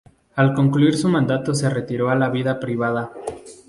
Al concluir su mandato se retiró a la vida privada.